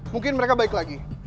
mungkin mereka balik lagi